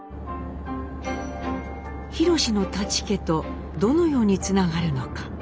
ひろしの舘家とどのようにつながるのか。